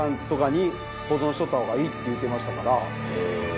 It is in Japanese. って言うてましたから。